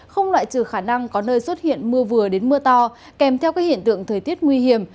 không loại trừ khả năng có nơi xuất hiện mưa vừa đến mưa to kèm theo các hiện tượng thời tiết nguy hiểm